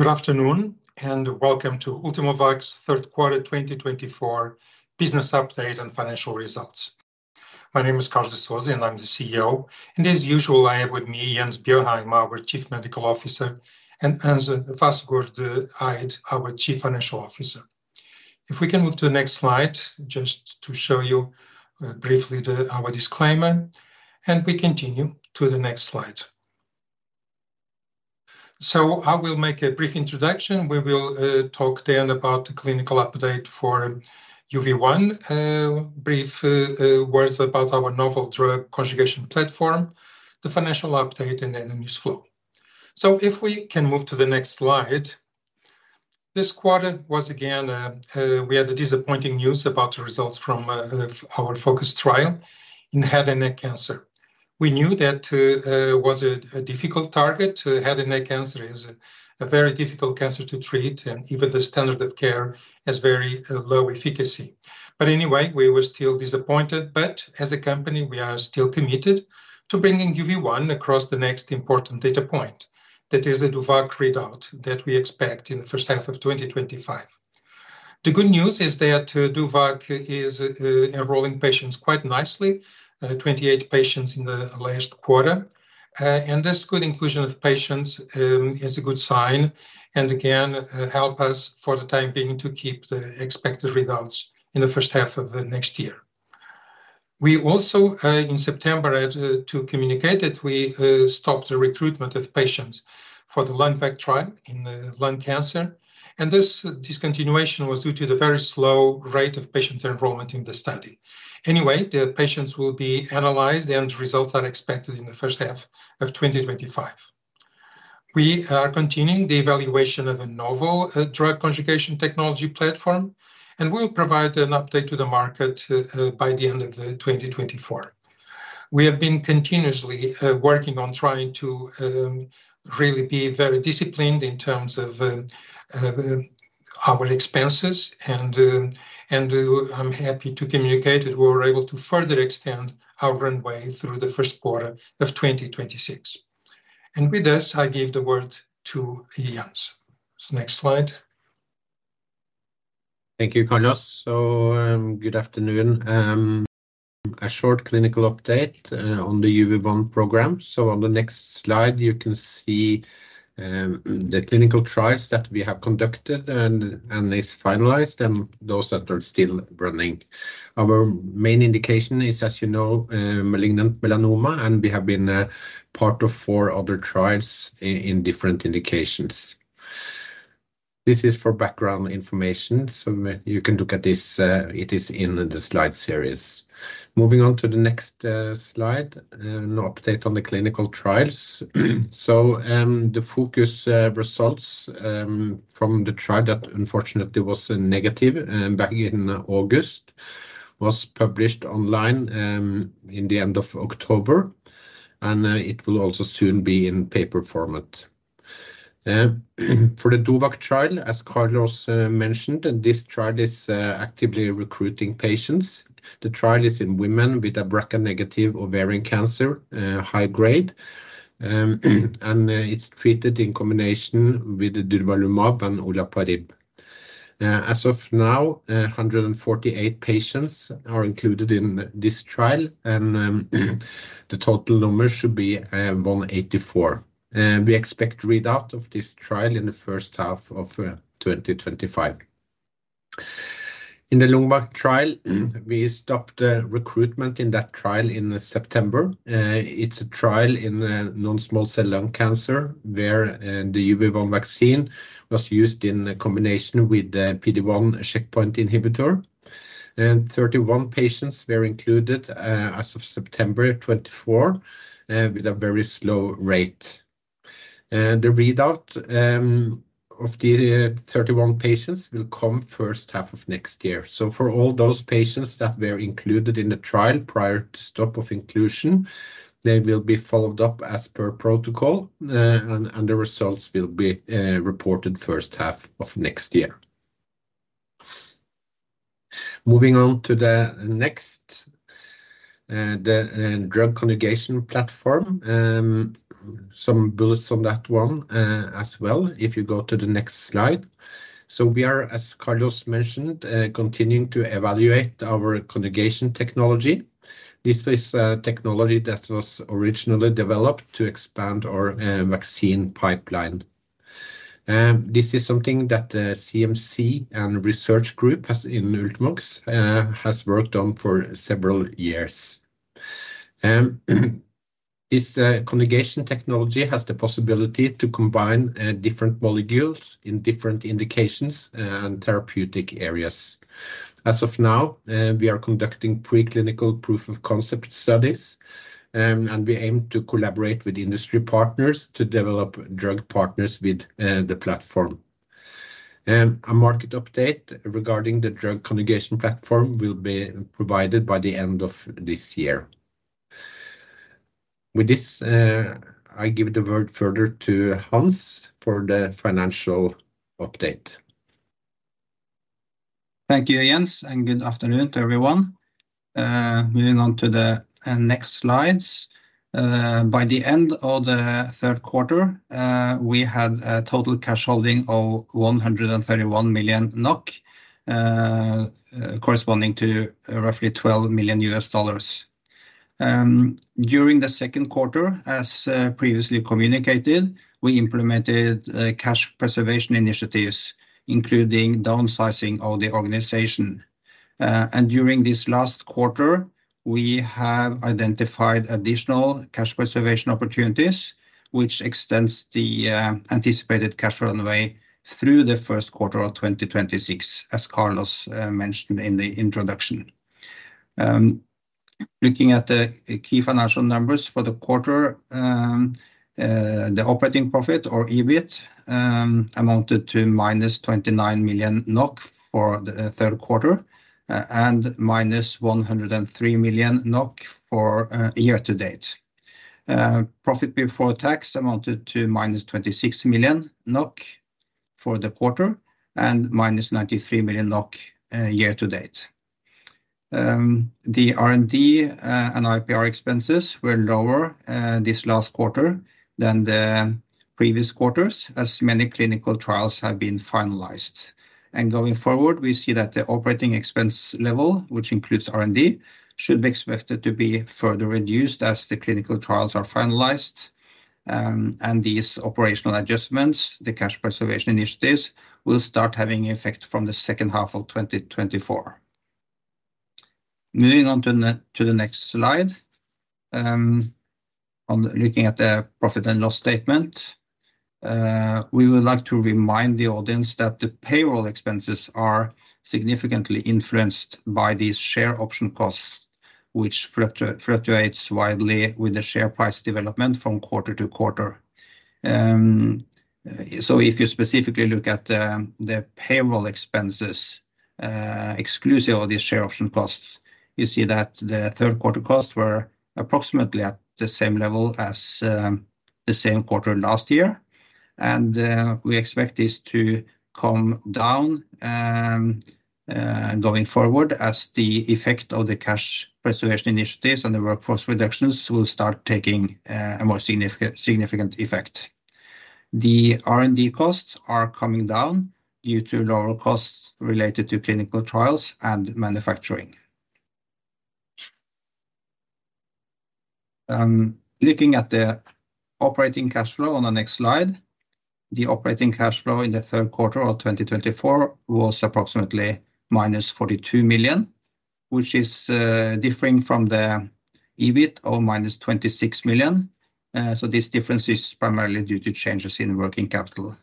Good afternoon, and welcome to Ultimovacs' third quarter 2024 business update and financial results. My name is Carlos de Sousa, and I'm the CEO, and as usual, I have with me Jens Bjørheim, our Chief Medical Officer, and Hans Vassgård Eid, our Chief Financial Officer. If we can move to the next slide just to show you briefly our disclaimer, and we continue to the next slide, so I will make a brief introduction. We will talk then about the clinical update for UV1, brief words about our novel drug conjugation platform, the financial update, and then the news flow, so if we can move to the next slide. This quarter was again, we had the disappointing news about the results from our FOCUS trial in head and neck cancer. We knew that it was a difficult target. Head and neck cancer is a very difficult cancer to treat, and even the standard of care has very low efficacy, but anyway, we were still disappointed, but as a company, we are still committed to bringing UV1 across the next important data point. That is the DOVACC readout that we expect in the first half of 2025. The good news is that DOVACC is enrolling patients quite nicely, 28 patients in the last quarter, and this good inclusion of patients is a good sign and again helps us for the time being to keep the expected results in the first half of the next year. We also, in September, had to communicate that we stopped the recruitment of patients for the LUNVACC trial in lung cancer, and this discontinuation was due to the very slow rate of patient enrollment in the study. Anyway, the patients will be analyzed, and results are expected in the first half of 2025. We are continuing the evaluation of a novel drug conjugation technology platform, and we'll provide an update to the market by the end of 2024. We have been continuously working on trying to really be very disciplined in terms of our expenses, and I'm happy to communicate that we were able to further extend our runway through the first quarter of 2026. With this, I give the word to Jens. Next slide. Thank you, Carlos. So good afternoon. A short clinical update on the UV1 program. So on the next slide, you can see the clinical trials that we have conducted and is finalized and those that are still running. Our main indication is, as you know, malignant melanoma, and we have been part of four other trials in different indications. This is for background information, so you can look at this. It is in the slide series. Moving on to the next slide, an update on the clinical trials. So the FOCUS results from the trial that unfortunately was negative back in August was published online in the end of October, and it will also soon be in paper format. For the DOVAC trial, as Carlos mentioned, this trial is actively recruiting patients. The trial is in women with a BRCA negative ovarian cancer, high grade, and it's treated in combination with durvalumab and olaparib. As of now, 148 patients are included in this trial, and the total number should be 184. We expect readout of this trial in the first half of 2025. In the LUNVAC trial, we stopped the recruitment in that trial in September. It's a trial in non-small cell lung cancer where the UV1 vaccine was used in combination with the PD-1 checkpoint inhibitor. And 31 patients were included as of September 24 with a very slow rate. The readout of the 31 patients will come first half of next year. So for all those patients that were included in the trial prior to stop of inclusion, they will be followed up as per protocol, and the results will be reported first half of next year. Moving on to the next, the drug conjugation platform, some bullets on that one as well if you go to the next slide. So we are, as Carlos mentioned, continuing to evaluate our conjugation technology. This is a technology that was originally developed to expand our vaccine pipeline. This is something that the CMC and research group in Ultimovacs has worked on for several years. This conjugation technology has the possibility to combine different molecules in different indications and therapeutic areas. As of now, we are conducting preclinical proof of concept studies, and we aim to collaborate with industry partners to develop drug partners with the platform. A market update regarding the drug conjugation platform will be provided by the end of this year. With this, I give the word further to Hans for the financial update. Thank you, Jens, and good afternoon to everyone. Moving on to the next slides. By the end of the third quarter, we had a total cash holding of 131 million NOK, corresponding to roughly $12 million. During the second quarter, as previously communicated, we implemented cash preservation initiatives, including downsizing of the organization. During this last quarter, we have identified additional cash preservation opportunities, which extends the anticipated cash runway through the first quarter of 2026, as Carlos mentioned in the introduction. Looking at the key financial numbers for the quarter, the operating profit or EBIT amounted to -29 million NOK for the third quarter and -103 million NOK for year to date. Profit before tax amounted to -26 million NOK for the quarter and -93 million NOK year to date. The R&D and IPR expenses were lower this last quarter than the previous quarters as many clinical trials have been finalized. And going forward, we see that the operating expense level, which includes R&D, should be expected to be further reduced as the clinical trials are finalized. And these operational adjustments, the cash preservation initiatives, will start having effect from the second half of 2024. Moving on to the next slide. Looking at the profit and loss statement, we would like to remind the audience that the payroll expenses are significantly influenced by these share option costs, which fluctuates widely with the share price development from quarter to quarter. So if you specifically look at the payroll expenses exclusive of these share option costs, you see that the third quarter costs were approximately at the same level as the same quarter last year. We expect this to come down going forward as the effect of the cash preservation initiatives and the workforce reductions will start taking a more significant effect. The R&D costs are coming down due to lower costs related to clinical trials and manufacturing. Looking at the operating cash flow on the next slide, the operating cash flow in the third quarter of 2024 was approximately -42 million, which is differing from the EBIT of -26 million. So this difference is primarily due to changes in working capital.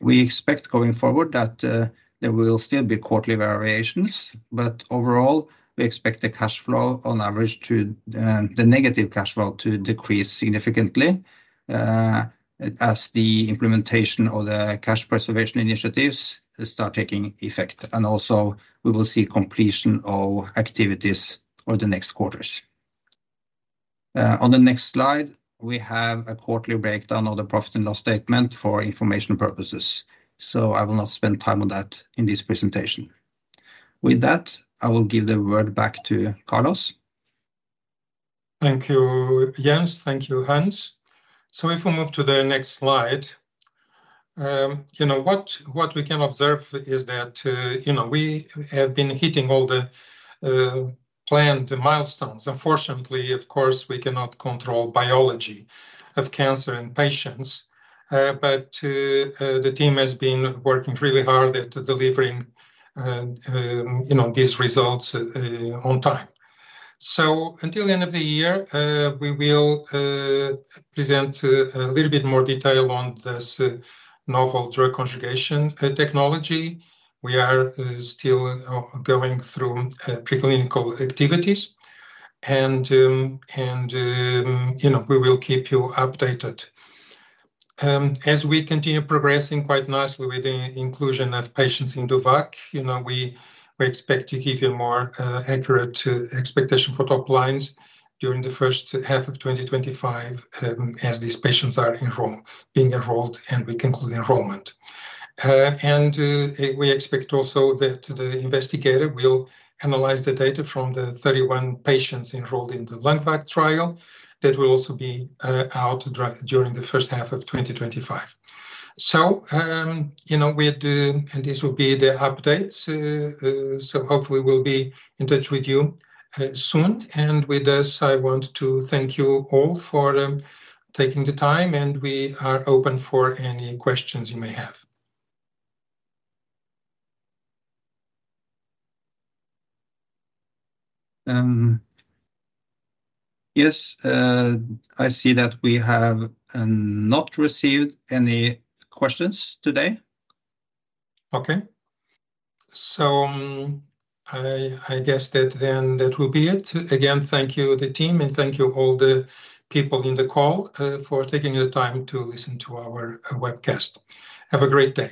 We expect going forward that there will still be quarterly variations, but overall, we expect the cash flow on average to the negative cash flow to decrease significantly as the implementation of the cash preservation initiatives start taking effect. And also, we will see completion of activities over the next quarters. On the next slide, we have a quarterly breakdown of the profit and loss statement for information purposes, so I will not spend time on that in this presentation. With that, I will give the word back to Carlos. Thank you, Jens. Thank you, Hans. So if we move to the next slide, you know what we can observe is that we have been hitting all the planned milestones. Unfortunately, of course, we cannot control biology of cancer in patients, but the team has been working really hard at delivering these results on time. So until the end of the year, we will present a little bit more detail on this novel drug conjugation technology. We are still going through preclinical activities, and we will keep you updated. As we continue progressing quite nicely with the inclusion of patients in DOVAC, we expect to give you more accurate expectation for top lines during the first half of 2025 as these patients are being enrolled and we conclude enrollment. We expect also that the investigator will analyze the data from the 31 patients enrolled in the LUNVAC trial that will also be out during the first half of 2025. This will be the update. Hopefully we'll be in touch with you soon. With this, I want to thank you all for taking the time, and we are open for any questions you may have. Yes, I see that we have not received any questions today. Okay, so I guess that will be it. Again, thank you to the team and thank you all the people on the call for taking the time to listen to our webcast. Have a great day.